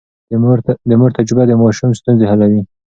د مور تجربه د ماشوم ستونزې حلوي.